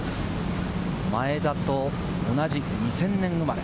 前田と同じく２０００年生まれ。